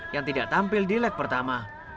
yang tidak tampil di leg pertama